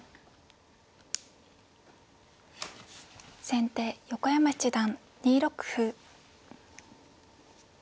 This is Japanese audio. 先手横山七段２六歩。